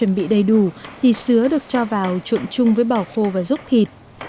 chuẩn bị đầy đủ thì sứa được cho vào trộn chung với bò khô và giúp thịt